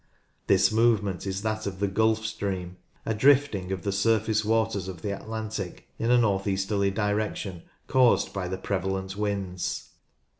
This movement is that of the Gulf Stream, a drifting of the surface waters of the Atlantic in a north easterly direction caused by the prevalent winds.